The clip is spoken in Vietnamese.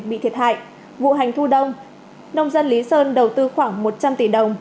bị thiệt hại vụ hành thu đông nông dân lý sơn đầu tư khoảng một trăm linh tỷ đồng